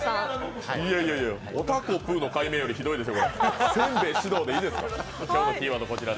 おたこぷーの改名よりひどいですよ。